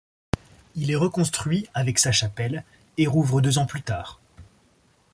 Il est reconstruit, avec sa chapelle, et rouvre deux ans plus tard.